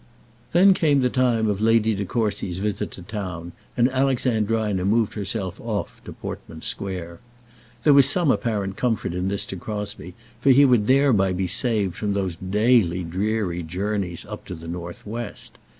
Then came the time of Lady De Courcy's visit to town, and Alexandrina moved herself off to Portman Square. There was some apparent comfort in this to Crosbie, for he would thereby be saved from those daily dreary journeys up to the north west.